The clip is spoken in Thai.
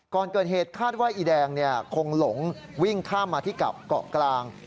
ก่อนเกิดเหตุคาดว่าอีแดงคงหลงวิ่งข้ามมาที่กับเกาะกลาง